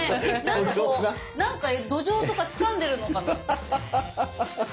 なんかこうどじょうとかつかんでるのかな？